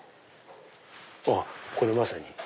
あっこれまさに。